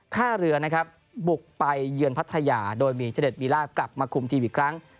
ท่าเรือนะครับบุกไปเยือนพัทยาโดยมีเทรเดชวิล่ากลับมาคุมทีมอีกครั้ง